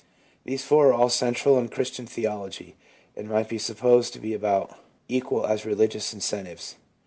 These four are all central in Christian theology, and might be supposed to be about equal as religious incentives.